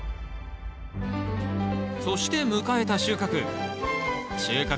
そして迎えた収穫。